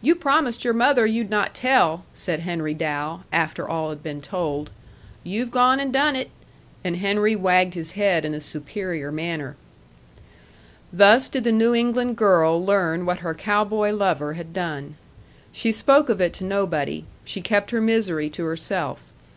"You promised your mother you'd not tell," said Henry Dow, after all had been told. "You've gone and done it," and Henry wagged his head in a superior manner. Thus did the New England girl learn what her cow boy lover had done. She spoke of it to nobody; she kept her misery to herself.